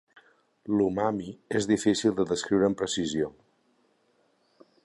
L'umami és difícil de descriure amb precisió.